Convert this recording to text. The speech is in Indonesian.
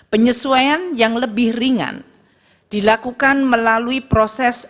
penyesuaian yang lebih ringan dilakukan melalui proses